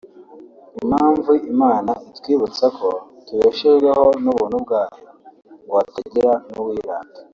Impamvu Imana itwibutsa ko tubeshejweho n’ubuntu bwayo ngo hatagira n’uwirata